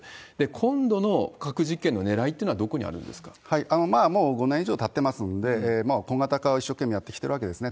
今度の核実験のねらいというのはもう５年以上たってますので、小型化を一生懸命やってきてるわけですね。